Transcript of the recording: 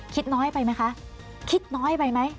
คิดน้อยไปไหมคะคิดน้อยไปไหม